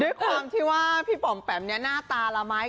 ด้วยความที่ว่าพี่ป๋อมแปมเนี่ยหน้าตาละไหม